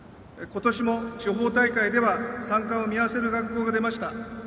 今年も、地方大会では参加を見合わせる学校が出ました。